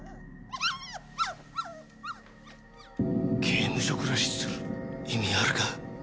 刑務所暮らしする意味あるか？